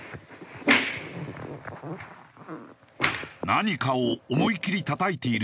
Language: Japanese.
何かを思い切りたたいているような音。